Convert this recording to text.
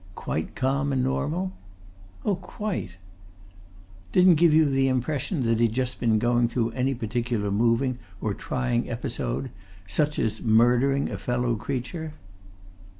"Quite calm and normal?" "Oh, quite!" "Didn't give you the impression that he'd just been going through any particularly moving or trying episode such as murdering a fellow creature?"